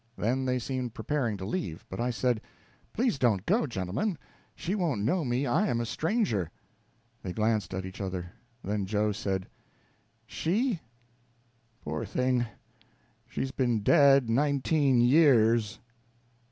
Then they seemed preparing to leave; but I said: "Please don't go, gentlemen. She won't know me; I am a stranger." They glanced at each other. Then Joe said: "She? Poor thing, she's been dead nineteen years!"